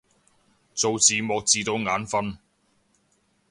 做字幕做到眼憤